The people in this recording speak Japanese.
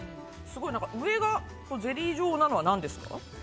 上がゼリー状なのは何ですか？